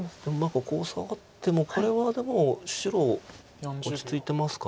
ここをサガってもこれはでも白落ち着いてますか。